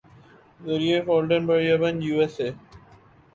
ذریعہ فالٹن پریبن یوایساے